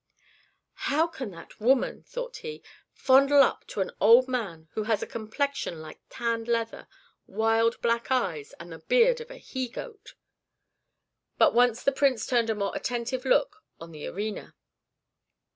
"How can that woman," thought he, "fondle up to an old man who has a complexion like tanned leather, wild black eyes, and the beard of a he goat?" But once the prince turned a more attentive look on the arena.